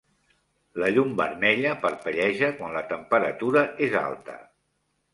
La llum vermella parpelleja quan la temperatura és alta.